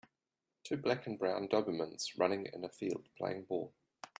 Two black and brown dobermans running in a field playing ball.